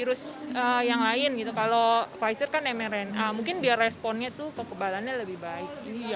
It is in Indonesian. virus yang lain gitu kalau pfizer kan mrna mungkin biar responnya tuh kekebalannya lebih baik